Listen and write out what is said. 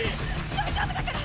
大丈夫だから！